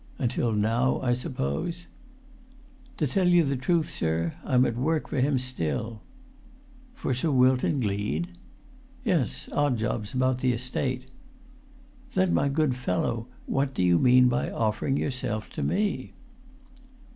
"Until now, I suppose?" "To tell you the truth, sir, I'm at work for him still." "For Sir Wilton Gleed?" "Yes—odd jobs about the estate." "Then my good fellow, what do you mean by offering yourself to me?"